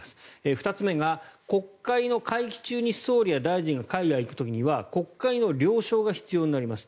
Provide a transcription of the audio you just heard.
２つ目が国会の会期中に総理や大臣が海外へ行く時には国会の了承が必要になります。